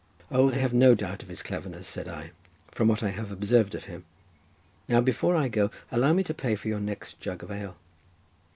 "O, I have no doubt of his cleverness," said I, "from what I have observed of him. Now before I go allow me to pay for your next jug of ale."